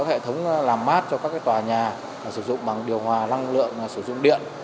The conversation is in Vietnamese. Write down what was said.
hệ thống làm mát cho các tòa nhà sử dụng bằng điều hòa năng lượng sử dụng điện